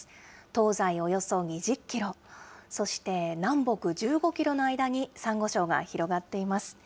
東西およそ２０キロ、そして南北１５キロの間にサンゴ礁が広がっています。